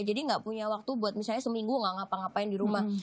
jadi nggak punya waktu buat misalnya seminggu nggak ngapa ngapain di rumah